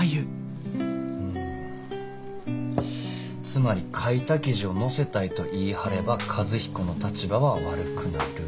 つまり書いた記事を載せたいと言い張れば和彦の立場は悪くなる。